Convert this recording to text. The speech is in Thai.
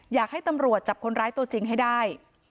อยากให้ตำรวจจับคนร้ายตัวจริงให้ได้